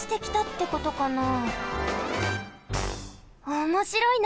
おもしろいな！